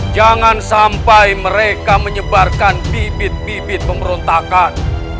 jangan sampai mereka menyebarkan bibit bibit pemberontakan